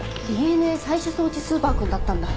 ＤＮＡ採取装置スーパー君だったんだ。